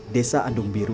desa andung biru